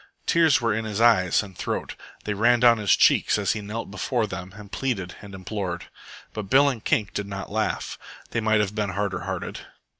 Tears were in his eyes and throat. They ran down his cheeks as he knelt before them and pleaded and implored. But Bill and Kink did not laugh. They might have been harder hearted.